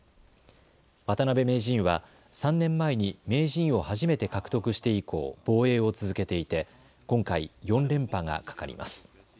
渡辺名人は３年前に名人を初めて獲得して以降、防衛を続けていて今回、４連覇がかかります。